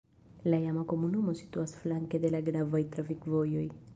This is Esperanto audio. La iama komunumo situas flanke de la gravaj trafikvojoj.